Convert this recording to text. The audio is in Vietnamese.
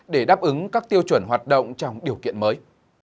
để đáp ứng các tiêu chuẩn hoạt động trong điều kiện mới